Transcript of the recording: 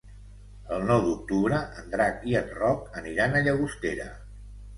El nou d'octubre en Drac i en Roc aniran a Llagostera.